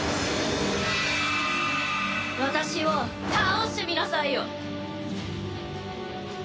私を倒してみなさいよ！